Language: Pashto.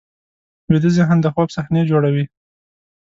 ویده ذهن د خوب صحنې جوړوي